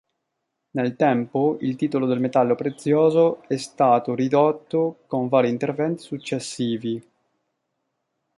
Nel tempo, il titolo del metallo prezioso è stato ridotto con vari interventi successivi.